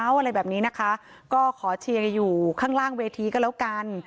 อะไรแบบนี้นะคะก็ขอเชียร์อยู่ข้างล่างเวทีก็แล้วกัน